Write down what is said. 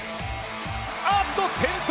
あっと転倒！